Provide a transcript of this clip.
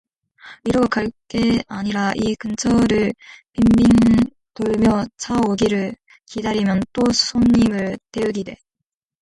이러고 갈 게 아니라 이 근처를 빙빙 돌며 차 오기를 기다리면 또 손님을 태우게 되